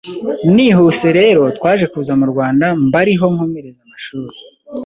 Nihuse rero twaje kuza mu Rwanda mba riho nkomereza amashuri